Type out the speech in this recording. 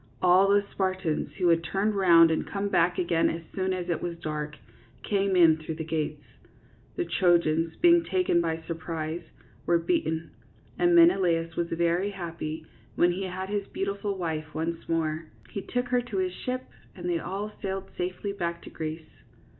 All the Spartans, who had turned round and come back again as soon as it was dark, came in through the gates. The Trojans, being taken by surprise, were beaten; and Menelaus was very happy when he had his beautiful wife once more. He took her to his ship and they all sailed safely back to Greece.